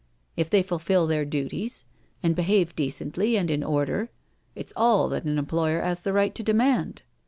If they fulfil their dewties and behave decently and in order, it's all that an employer 'as the right to demand.